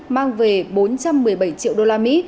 mang về bốn trăm một mươi bảy triệu đô la mỹ